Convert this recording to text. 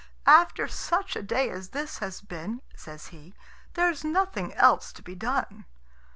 "After such a day as this has been," says he, "there's nothing else to be done."